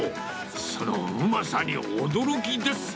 そのうまさに驚きです。